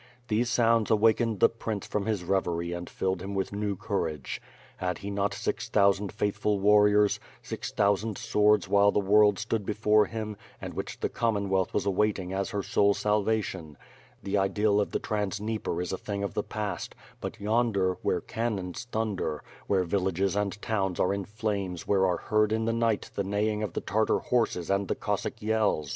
These sounds awakened the prince from his reverie and filled him new courage. Had he not six thousand faithful warriors, six thousand swords while the world stood before him, and which the Commonwealth was awaiting as her sole salvation. The idyll of the Trans Dnieper is a thing of the past, but yonder, where cannons thunder, where vill ages and towns are in flames where are heard in the night the neighing of the Tartar horses and the Cossack yells, 20 3o6 WITH FIRE AND SWORD.